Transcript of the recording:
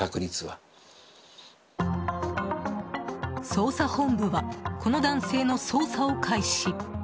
捜査本部はこの男性の捜査を開始。